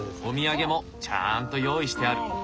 お土産もちゃんと用意してある。